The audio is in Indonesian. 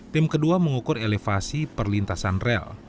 tim kedua mengukur elevasi perlintasan rel